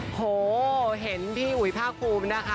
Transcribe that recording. โอ้โฮเห็นพี่อุยพ่าครูนะคะ